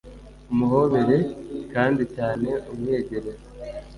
umuhobere kandi cyane, umwiyegereze